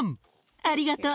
ありがとう。